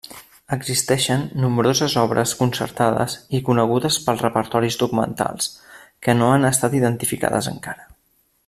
Existeixen nombroses obres concertades i conegudes pels repertoris documentals, que no han estat identificades encara.